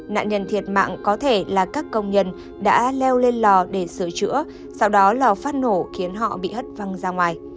nạn nhân thiệt mạng có thể là các công nhân đã leo lên lò để sửa chữa sau đó lò phát nổ khiến họ bị hất văng ra ngoài